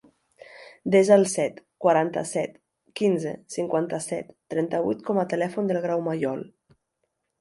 Desa el set, quaranta-set, quinze, cinquanta-set, trenta-vuit com a telèfon del Grau Mayol.